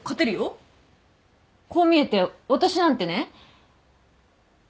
こう見えて私なんてね。